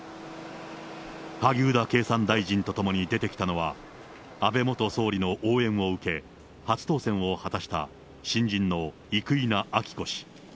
萩生田経産大臣と共に出てきたのは、安倍元総理の応援を受け、初当選を果たした新人の生稲晃子氏。